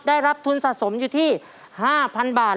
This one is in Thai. ได้รับทุนสะสมอยู่ที่๕๐๐๐บาท